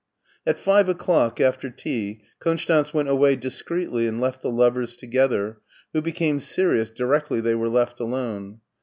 At five o'clock, after tea, Konstanz went away dis creetly and left the lovers together, who became serious directly they were left alone.